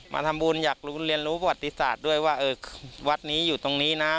มาทำบุญอยากเรียนรู้ประวัติศาสตร์ด้วยว่าเออวัดนี้อยู่ตรงนี้นะ